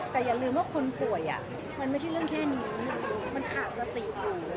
แต่อย่าลืมว่าคนป่วยมันไม่ใช่เรื่องแค่นี้มันขาดสติ